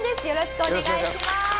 よろしくお願いします。